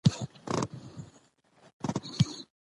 خاوند صاحب ته وايي.